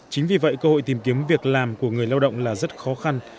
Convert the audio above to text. chính vì vậy cơ hội tìm kiếm việc làm của người lao động là rất khó khăn